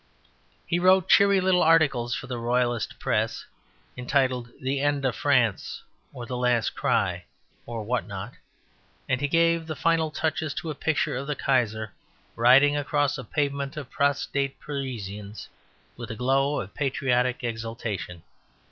He wrote cheery little articles for the Royalist Press entitled "The End of France" or "The Last Cry," or what not, and he gave the final touches to a picture of the Kaiser riding across a pavement of prostrate Parisians with a glow of patriotic exultation.